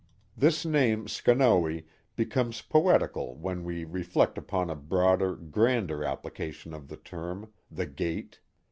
This name, Schonowe," becomes poetical when we re flect upon a broader, grander application of the term, the •* Gate.''